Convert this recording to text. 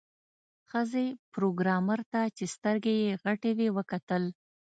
ښځې پروګرامر ته چې سترګې یې غټې وې وکتل